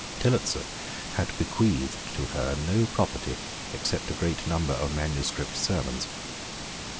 Tillotson had bequeathed to her no property, except a great number of manuscript sermons.